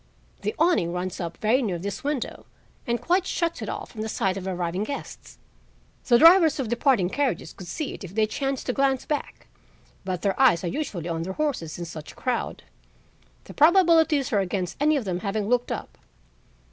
"The awning runs up very near this window and quite shuts it off from the sight of arriving guests. The drivers of departing carriages could see it if they chanced to glance back. But their eyes are usually on their horses in such a crowd. The probabilities are against any of them having looked up."